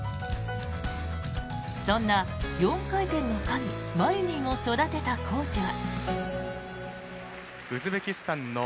そんな４回転の神マリニンを育てたコーチは。